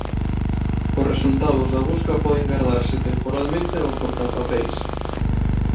Os resultados da busca poden gardarse temporalmente no portapapeis.